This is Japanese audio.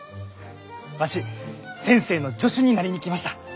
わし先生の助手になりに来ました。